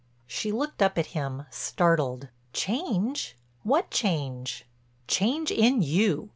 She looked up at him, startled: "Change—what change?" "Change in you.